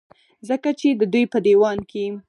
ځکه چې د دوي پۀ ديوان کې